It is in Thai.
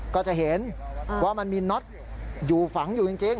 ก็จะเห็นว่ามันมีน็อตอยู่ฝัง